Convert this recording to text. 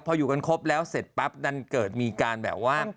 พออยู่กันครบแล้วเสร็จปั๊บดันเกิดมีการแบบว่า